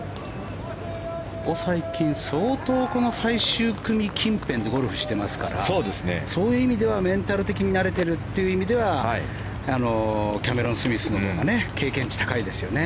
ここ最近相当、最終組近辺でゴルフしてますからそういう意味ではメンタル的に慣れてるという意味ではキャメロン・スミスのほうが経験値高いですよね。